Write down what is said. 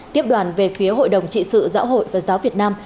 tiếp đoàn về phía hội đồng trị sự giáo hội phật giáo việt nam